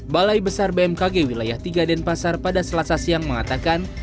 balai besar bmkg wilayah tiga denpasar pada selasa siang mengatakan